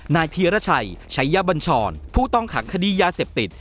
นายพีรชัยชัยบัญชรผู้ต้องขังคดียาเสพติด